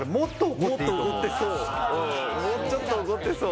もうちょっと怒ってそう。